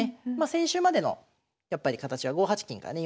先週までのやっぱり形は５八金かね